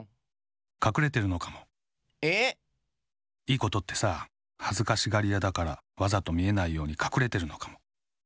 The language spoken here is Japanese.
いいことってさはずかしがりやだからわざとみえないようにかくれてるのかも。